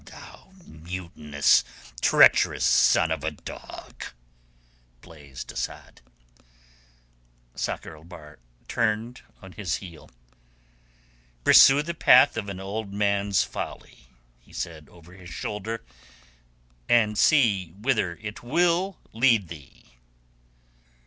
"Thou mutinous, treacherous son of a dog!" blazed Asad. Sakr el Bahr turned on his heel. "Pursue the path of an old man's folly," he said over his shoulder, "and see whither it will lead thee."